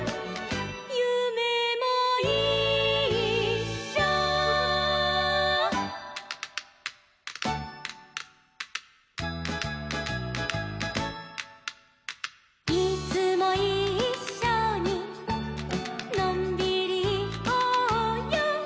「ゆめもいっしょ」「いつもいっしょにのんびりいこうよ」